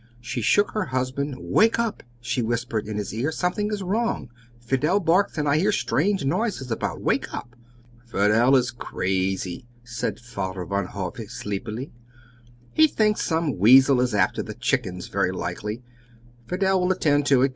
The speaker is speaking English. She shook her husband. "Wake up!" she whispered in his ear, "something is wrong! Fidel barks, and I hear strange noises about. Wake up!" "Fidel is crazy," said Father Van Hove sleepily. "He thinks some weasel is after the chickens very likely. Fidel will attend to it.